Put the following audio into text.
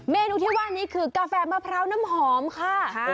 เมนูที่ว่านี้คือกาแฟมะพร้าวน้ำหอมค่ะ